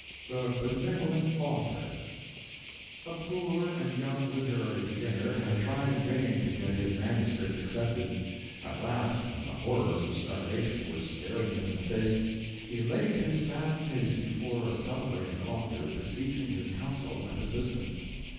THE BENEVOLENT AUTHOR A poor and young literary beginner had tried in vain to get his manuscripts accepted. At last, when the horrors of starvation were staring him in the face, he laid his sad case before a celebrated author, beseeching his counsel and assistance.